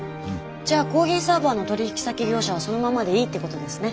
じゃあコーヒーサーバーの取引先業者はそのままでいいってことですね。